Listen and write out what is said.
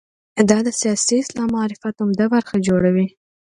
دا د سیاسي اسلام معرفت عمده برخه جوړوي.